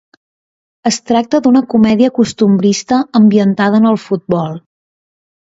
Es tracta d'una comèdia costumista ambientada en el futbol.